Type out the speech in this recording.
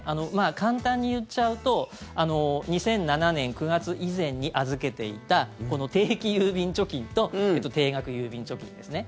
簡単に言っちゃうと２００７年９月以前に預けていた定期郵便貯金と定額郵便貯金ですね。